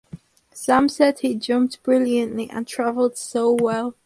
Sam said he jumped brilliantly and travelled so well.